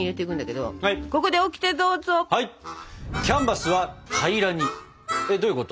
どういうこと？